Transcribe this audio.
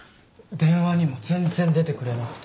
電話にも全然出てくれなくて。